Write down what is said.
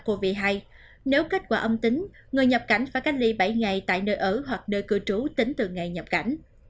covid một mươi chín nếu kết quả âm tính người nhập cảnh phải cách ly bảy ngày tại nơi ở hoặc nơi cư trú tính từ ngày nhập cảnh